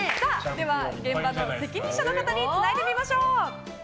では、現場の責任者の方につないでみましょう。